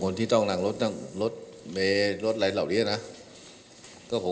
คนที่ต้องนั่งรถนั่งรถเมย์รถอะไรเหล่านี้นะก็ผม